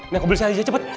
nih aku beli saya aja cepet